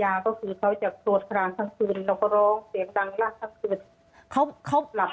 อันดับที่สุดท้าย